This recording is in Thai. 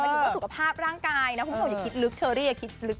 ถือว่าสุขภาพร่างกายนะคุณผู้ชมอย่าคิดลึกเชอรี่อย่าคิดลึก